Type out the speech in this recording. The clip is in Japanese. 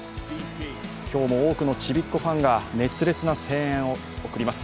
今日も多くのちびっ子ファンが熱烈な声援を送ります。